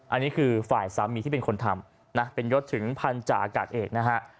อันนี้คือฝ่ายสามีที่เป็นคนทำนะเป็นยศถึงพันธาอากาศเอกนะฮะ